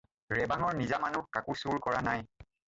ৰেবাঙৰ নিজা মানুহ কাকো চুৰ কৰা নাই।